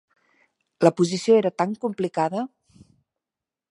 La posició era tan complicada